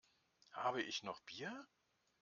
Habe ich noch Bier?